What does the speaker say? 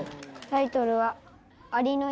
タイトルは。